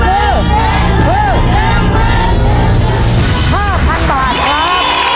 แล้วโบนัสหลังตู้หมายเลข๒ก็คือ